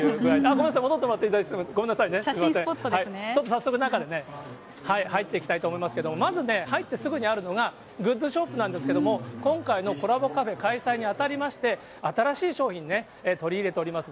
ごめんなさい、戻ってもらって大丈夫です、ごめんなさいね、ちょっと早速、中でね、入っていきたいと思いますけど、まずね、入ってすぐにあるのがグッズショップなんですけれども、今回のコラボカフェ開催にあたりまして、新しい商品ね、取り入れております。